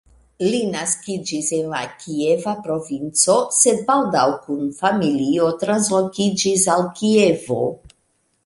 Li naskiĝis en la Kieva provinco, sed baldaŭ kun familio translokiĝis al Kievo.